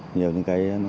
nhiều những cái